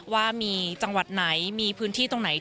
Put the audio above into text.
ว่ามีจังหวัดไหนมีพื้นที่ตรงไหน